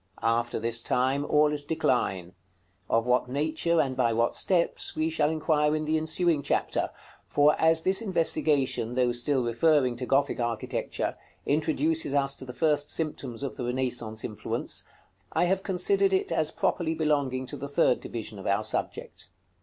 After this time, all is decline, of what nature and by what steps, we shall inquire in the ensuing chapter; for as this investigation, though still referring to Gothic architecture, introduces us to the first symptoms of the Renaissance influence, I have considered it as properly belonging to the third division of our subject.